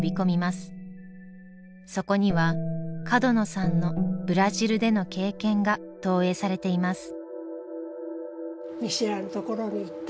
そこには角野さんのブラジルでの経験が投影されています。